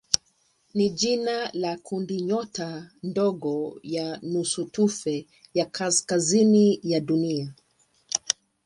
ni jina la kundinyota ndogo ya nusutufe ya kaskazini ya Dunia.